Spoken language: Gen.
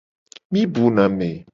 Mi bu na me.